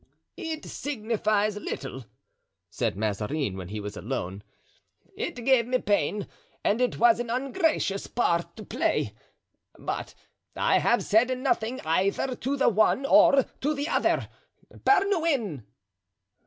"It signifies little," said Mazarin, when he was alone. "It gave me pain and it was an ungracious part to play, but I have said nothing either to the one or to the other. Bernouin!"